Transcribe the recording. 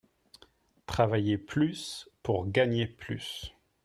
Travailler plus pour gagner plus